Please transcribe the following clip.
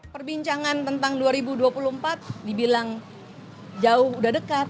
perbincangan tentang dua ribu dua puluh empat dibilang jauh udah dekat